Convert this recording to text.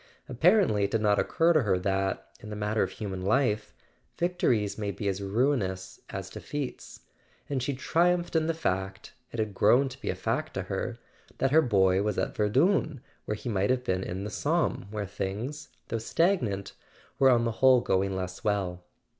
Apparently it did not occur to her that, in the matter of human life, victories may be as ruinous as defeats; and she triumphed in the fact—it had grown to be a fact to her—that her boy was at Verdun, when he might have been in the Somme, where things, though stagnant, were on the whole going less well.